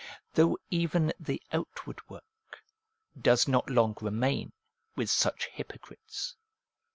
Though even the outward work does not long remain, with such hypocrites.